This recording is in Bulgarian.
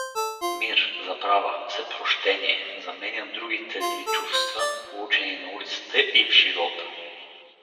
Мир, забрава, всепрощение заменят другите зли чувства, получени на улицата и в живота.